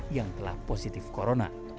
yang telah positif corona